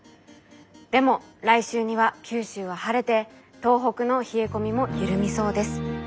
でも来週には九州は晴れて東北の冷え込みも緩みそうです。